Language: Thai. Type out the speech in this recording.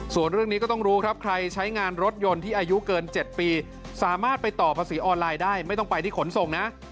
ส่วนเรื่องนี้ก็ต้องรู้ครับใครใช้งานรถยนต์ที่อายุเกิน๗ปีสามารถไปต่อภาษีออนไลน์ได้ไม่ต้องไปที่ขนส่งนะ